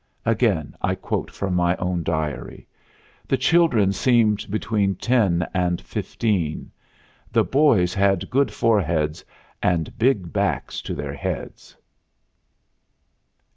Again I quote from my own diary: "The children seemed between ten and fifteen. The boys had good foreheads and big backs to their heads."